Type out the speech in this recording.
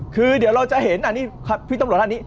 คือเดี๋ยวเราจะเห็นอันนี้พี่ตำรวจท่านนี้